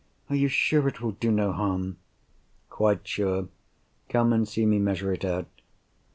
Are you sure it will do no harm?" "Quite sure. Come, and see me measure it out."